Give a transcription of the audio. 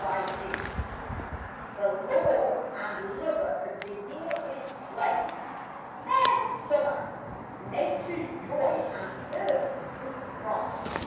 DEAD SUMMER. The lord and lover of the year is slain, Fair Summer! Nature's joy and earth's sweet pride.